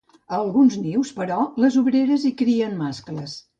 A alguns nius, però, les obreres hi crien mascles.